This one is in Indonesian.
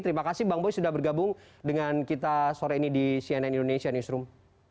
terima kasih bang boy sudah bergabung dengan kita sore ini di cnn indonesia newsroom